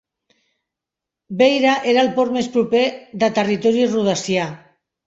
Beira era el port més proper de territori rhodesià.